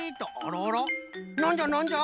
なんじゃなんじゃ？